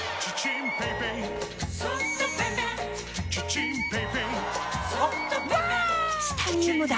チタニウムだ！